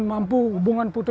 mampu hubungan putus